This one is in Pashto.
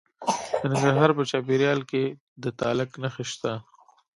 د ننګرهار په چپرهار کې د تالک نښې شته.